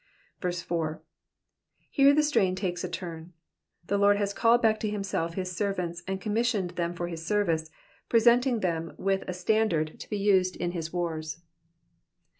4. Here the strain takes a turn. The Lord has called back to himself his servants, and commissioned them for his service, presenting them with a standard to be used in his wars.